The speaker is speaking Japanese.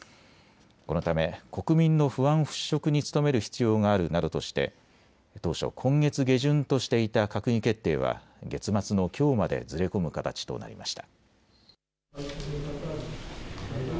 このため国民の不安払拭に努める必要があるなどとして当初、今月下旬としていた閣議決定は月末のきょうまでずれ込む形となりました。